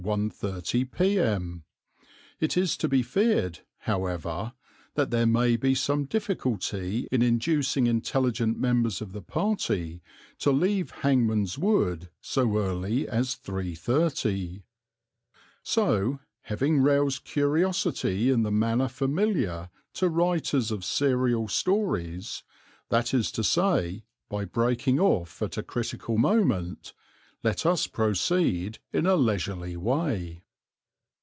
30 p.m. It is to be feared, however, that there may be some difficulty in inducing intelligent members of the party to leave Hangman's Wood so early as 3.30. So, having roused curiosity in the manner familiar to writers of serial stories, that is to say by breaking off at a critical moment, let us proceed in a leisurely way.